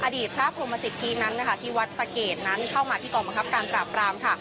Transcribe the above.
อดีตพระพรหมสิทธินั้นนะคะที่วัดสะเกดนั้นเข้ามาที่กองบังคับการปราบรามค่ะ